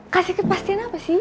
kasih kepastian apa sih